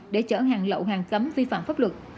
để chở hàng lậu hàng cấm vi phạm pháp luật